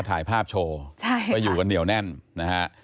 ถ่ายภาพโชว์ใช่ก็อยู่กันเหนียวแน่นนะฮะ